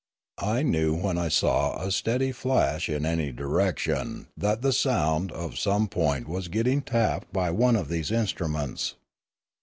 I knew when I saw a steady flash in any direction that the sound of some point was getting tapped by one of these instru ments.